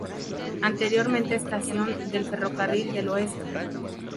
Anteriormente estación del Ferrocarril del Oeste.